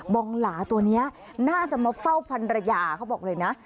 องหลาตัวนี้น่าจะมาเฝ้าพันรยาเขาบอกเลยนะ